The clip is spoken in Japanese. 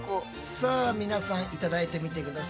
さあ皆さんいただいてみて下さい。